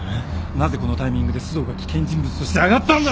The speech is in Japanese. なぜこのタイミングで須藤が危険人物として挙がったんだ！